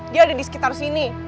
dia ada di sekitar sini